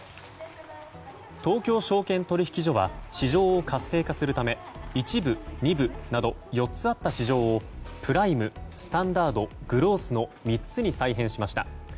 東京証券取引所は市場を活性化するため１部、２部など４つあった市場をプライム、スタンダードグロースの３つに再編しました。